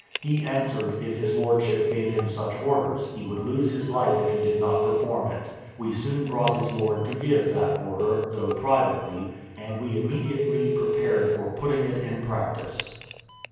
He answered, if his lordship gave him such orders, he would lose his life if he did not perform it; we soon brought his lord to give that order, though privately, and we immediately prepared for putting it in practice.